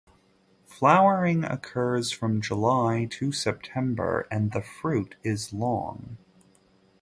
Flowering occurs from July to September and the fruit is long.